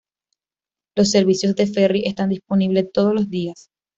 Los servicios de ferry están disponibles todos los días.